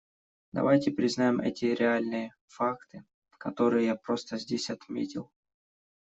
Давайте признаем эти реальные факты, которые я просто здесь отметил.